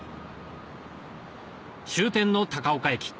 終点の高岡駅